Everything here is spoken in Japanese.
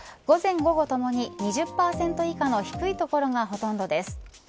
午前午後ともに２０％以下の低い所がほとんどです。